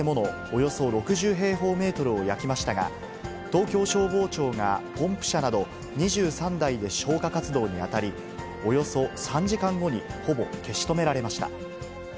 およそ６０平方メートルを焼きましたが、東京消防庁がポンプ車など２３台で消火活動に当たり、およそ３時間後にほぼ消し止められました。